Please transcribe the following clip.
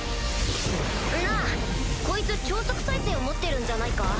なぁこいつ超速再生を持ってるんじゃないか？